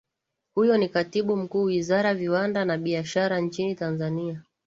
huyo ni katibu mkuu wizara viwanda na biashara nchini tanzania